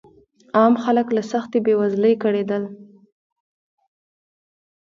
عام خلک له سختې بېوزلۍ کړېدل.